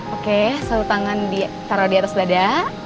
oke selu tangan taruh di atas dada